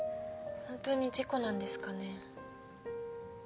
本当に事故なんですかね？